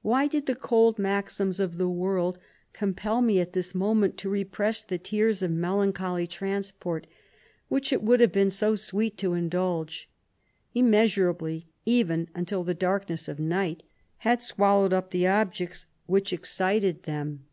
Why did the cold maxims of the world compel me at this moment to repress the tears of melancholy tran* sport which it would have been so sweet to indulge, immeasurably, even until the darkness of night had swallowed up the objects which excited them